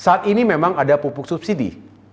saat ini memang ada pupuk subsidi